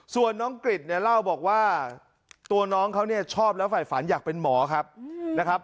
ส่วนน้องกริจเนี่ยเล่าบอกว่าตัวน้องเขาเนี่ยชอบแล้วฝ่ายฝันอยากเป็นหมอครับนะครับ